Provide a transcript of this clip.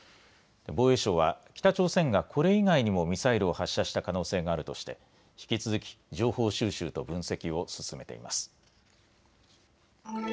防衛省は北朝鮮がこれ以外にもミサイルを発射した可能性があるとして引き続き情報収集と分析を進めています。